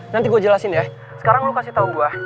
nanti gue jelasin ya sekarang lo kasih tau gue